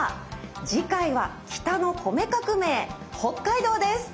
次回は「北の米革命北海道」です。